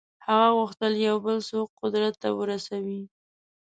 هغه غوښتل یو بل څوک قدرت ته ورسوي.